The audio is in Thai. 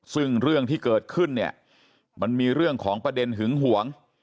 ซึ่งเรื่องที่เกิดขึ้นเนี่ยมันมีเรื่องของประเด็นหึงหวง